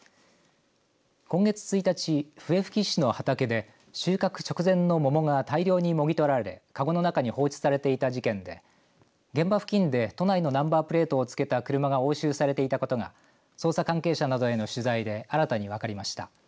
今月１日、笛吹市の畑で収穫直前の桃が大量にもぎ取られかごの中に放置されていた事件で現場付近で都内のナンバープレートを付けた車が押収されていたことが捜査関係者などへの取材で新たに分かりました。